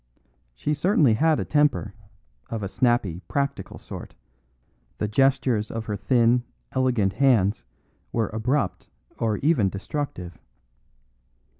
She certainly had a temper, of a snappy, practical sort; the gestures of her thin, elegant hands were abrupt or even destructive.